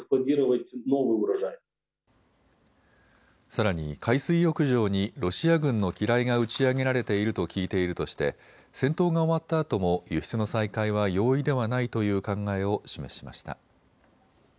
さらに海水浴場にロシア軍の機雷が打ち上げられていると聞いているとして戦闘が終わったあとも輸出の再開は容易ではないという考えを示しました。